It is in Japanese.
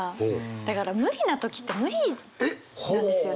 だから無理な時って無理なんですよね。